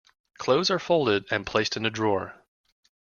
Clothes are folded and placed in a drawer.